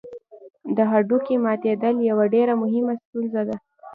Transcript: د هډوکي ماتېدل یوه ډېره مهمه ستونزه ده.